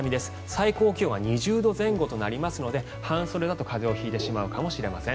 最高気温は２０度前後となりますので半袖だと風邪を引いてしまうかもしれません。